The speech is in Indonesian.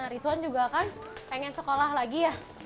rizwan juga kan pengen sekolah lagi ya